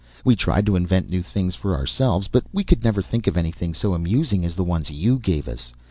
We tried to invent new things for ourselves, but we could never think of anything so amusing as the ones You gave us.